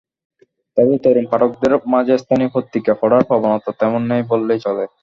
তবে তরুণ পাঠকদের মাঝে স্থানীয় পত্রিকা পড়ার প্রবণতা তেমন নেই বললেই চলে।